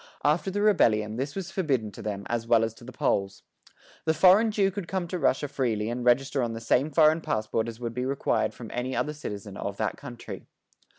After the rebellion this was forbidden to them as well as to the Poles. The foreign Jew could come to Russia freely and register on the same foreign passport as would be required from any other citizen of that country.